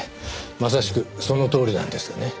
まさしくそのとおりなんですがね。